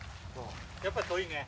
やっぱ遠いね。